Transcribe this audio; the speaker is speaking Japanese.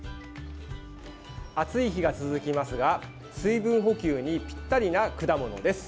暑い日が続きますが水分補給にぴったりな果物です。